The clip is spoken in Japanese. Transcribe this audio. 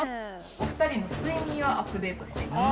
お２人の睡眠をアップデートしていきます。